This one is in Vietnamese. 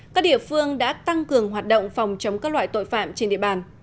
các địa phương đã tăng cường hoạt động phòng chống các loại tội phạm trên địa bàn